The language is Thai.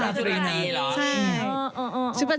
อ๋อราตรีนี้หรอ